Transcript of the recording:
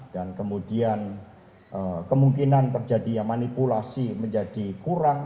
dan kemudian kemungkinan terjadi manipulasi menjadi kurang